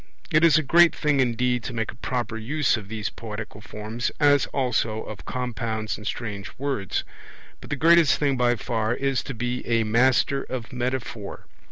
It is a great thing, indeed, to make a proper use of these poetical forms, as also of compounds and strange words. But the greatest thing by far is to be a master of metaphor.